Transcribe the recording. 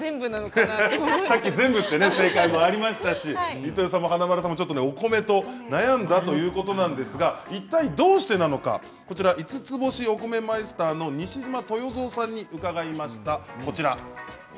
さっき全部という正解もありましたし飯豊さんも華丸さんもお米と悩んだということですがどうしてなのか五つ星お米マイスターの西島豊造さんに伺いました。